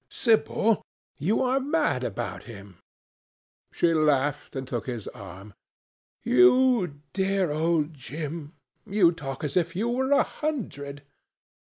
"Sibyl, you are mad about him." She laughed and took his arm. "You dear old Jim, you talk as if you were a hundred.